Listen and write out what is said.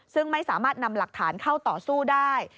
ซึ่งไม่สามารถนำหลักฐานเข้าต่อสู้ได้